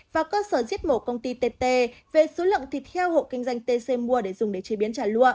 và cơ sở giết mổ công ty tt về số lượng thịt heo hộ kinh doanh tc mua để dùng để chế biến trả lúa